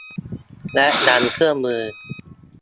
แนะนำเครื่องมือ